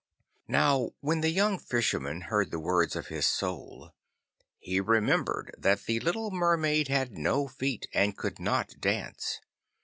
Now when the young Fisherman heard the words of his Soul, he remembered that the little Mermaid had no feet and could not dance.